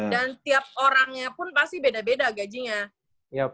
dan tiap orangnya pun pasti beda beda gajinya